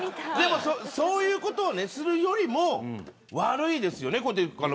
そういうことをするよりも悪いですよね。